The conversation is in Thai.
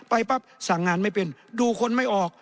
ปั๊บสั่งงานไม่เป็นดูคนไม่ออก